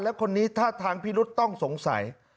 แล้วคนนี้ท่าทางพิรุษต้องสงสัย